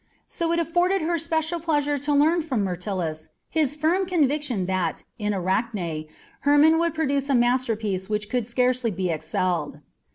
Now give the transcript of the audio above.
So it afforded her special pleasure to learn from Myrtilus his firm conviction that, in Arachne, Hermon would produce a masterpiece which could scarcely be excelled.